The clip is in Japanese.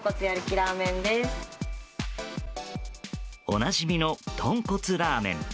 おなじみのとんこつラーメン。